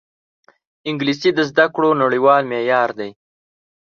انګلیسي د زده کړو نړیوال معیار دی